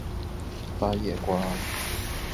八叶瓜